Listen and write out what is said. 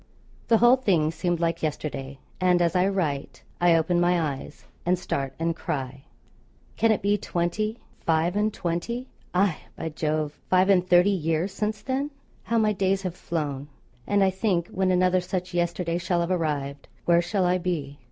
The whole thing seemed like yesterday; and as I write, I open my eyes and start and cry, 'can it be twenty, five and twenty, aye, by Jove! five and thirty, years since then?' How my days have flown! And I think when another such yesterday shall have arrived, where shall I be?